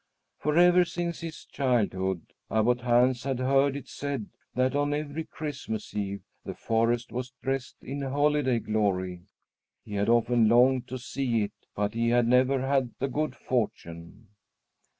For, ever since his childhood, Abbot Hans had heard it said that on every Christmas Eve the forest was dressed in holiday glory. He had often longed to see it, but he had never had the good fortune.